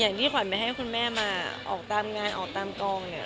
ที่ขวัญไม่ให้คุณแม่มาออกตามงานออกตามกองเนี่ย